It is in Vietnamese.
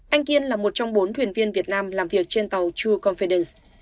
anh kiên là một trong bốn thuyền viên việt nam làm việc trên tàu true confidence